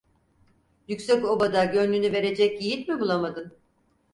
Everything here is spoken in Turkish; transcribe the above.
Yüksekoba'da gönlünü verecek yiğit mi bulamadın?